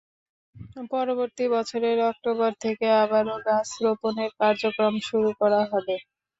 পরবর্তী বছরের অক্টোবর থেকে আবারও গাছ রোপণের কার্যক্রম শুরু করা হবে।